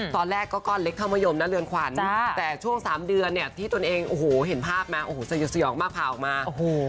ตอนแรกก็ก้อนเล็กเท่ามายมนั้นเรือนขวัญแต่ช่วง๓เดือนที่ตัวเองเห็นภาพมันเสียมากพาออกมา